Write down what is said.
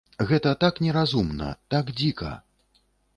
Гэта так неразумна, так дзіка.